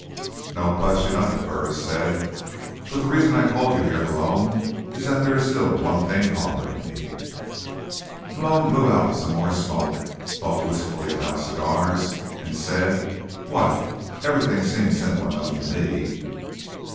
"No question of it," Burris said. "But the reason I called you here, Malone, is that there's still one thing bothering me." Malone blew out some more smoke, thought wistfully about cigars, and said: "What? Everything seems simple enough to me."